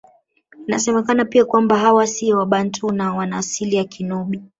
Inasemekana pia kwamba hawa siyo Wabantu na wana asili ya Kinubi